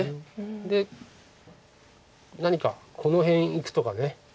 で何かこの辺いくとか。